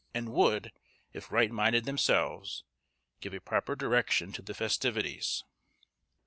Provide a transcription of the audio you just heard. and would, if right minded themselves, give a proper direction to the festivities.